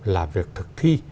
là việc thực thi